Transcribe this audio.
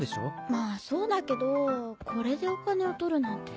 まあそうだけどこれでお金を取るなんて。